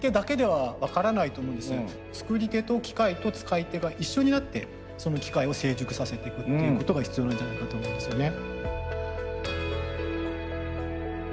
作り手と機械と使い手が一緒になってその機械を成熟させてくっていうことが必要なんじゃないかと思うんですよね。